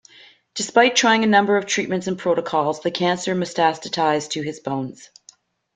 Despite trying a number of treatments and protocols, the cancer metastasized to his bones.